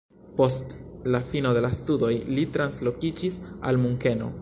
Post la fino de la studoj li translokiĝis al Munkeno.